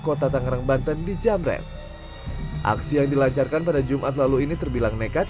kota tangerang banten dijamret aksi yang dilancarkan pada jumat lalu ini terbilang nekat